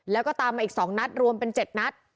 แล้วก็ตามมาอีก๒นัดรวมเป็น๗นัด